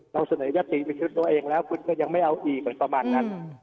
เราเสนอยัดผิดชีวิตตัวเองแล้วคุณก็ยังไม่เอาอีกหรือประมาณนั้น